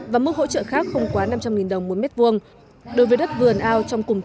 và mức hỗ trợ khác không quá năm trăm linh đồng mỗi mét vuông